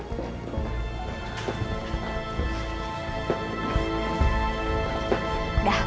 sudah dark kok ya